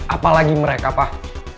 apalagi mereka pak